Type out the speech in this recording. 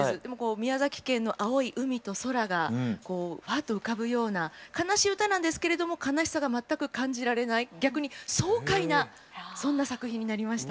宮崎県の青い海と空がこうフワッと浮かぶような悲しい歌なんですけれども悲しさが全く感じられない逆に爽快なそんな作品になりました。